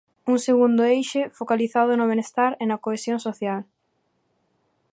Un segundo eixe, focalizado no benestar e na cohesión social.